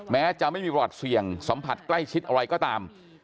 แม้จะไม่มีประวัติเสี่ยงสัมผัสใกล้ชิดอะไรก็ตาม